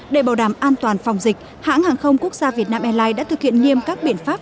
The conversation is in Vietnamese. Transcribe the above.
để bảo đảm an toàn phòng dịch hãng hàng không quốc gia việt nam airlines đã thực hiện nghiêm các biện pháp